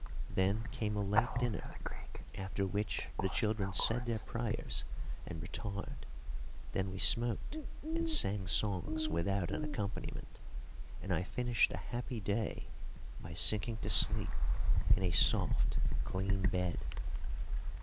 Then came a late dinner, after which the children said their prayers and retired, then we smoked and sang songs without an accompaniment, and I finished a happy day by sinking to sleep in a soft, clean bed.